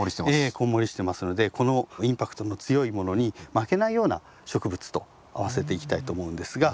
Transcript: こんもりしてますのでこのインパクトの強いものに負けないような植物と合わせていきたいと思うんですが。